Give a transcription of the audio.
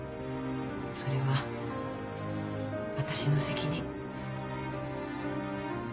それは私の責任。